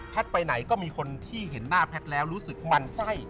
ไปไหนก็มีคนที่เห็นหน้าแพทย์แล้วรู้สึกมันไส้